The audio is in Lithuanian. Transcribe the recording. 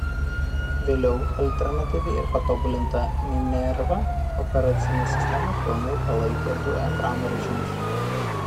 Vėliau alternatyvi ir patobulinta Minerva operacinė sistema pilnai palaikė du ekrano režimus.